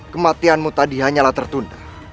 kematianmu tadi hanyalah tertunda